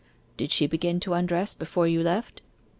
'Did she begin to undress before you left?